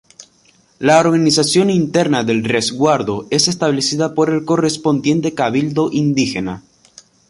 La organización interna del Resguardo es establecida por el correspondiente cabildo Indígena.